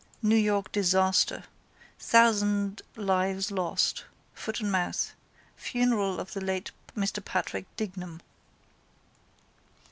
New York disaster. Thousand lives lost. Foot and Mouth. Funeral of the late Mr Patrick Dignam.